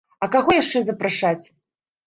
А каго яшчэ запрашаць?